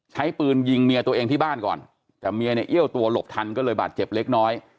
ใช้ปืนยิงเมียตัวเองที่บ้านก่อนแต่เมียเนี่ยเอี้ยวตัวหลบทันก็เลยบาดเจ็บเล็กน้อย